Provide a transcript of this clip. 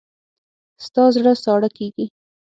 ستا زړه ساړه کېږي.